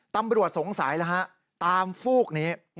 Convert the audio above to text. ตำรวจสงสัยแล้วฮะตามฟูกนี้